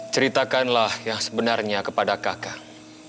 ceritakanlah yang sebenarnya kepada kakak